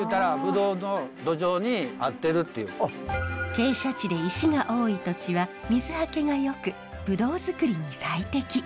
傾斜地で石が多い土地は水はけがよくブドウづくりに最適。